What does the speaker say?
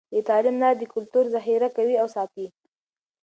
د تعلیم لاره د کلتور ذخیره کوي او ساتي.